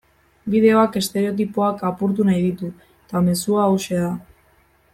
Bideoak estereotipoak apurtu nahi ditu eta mezua hauxe da.